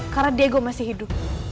karena diego masih hidup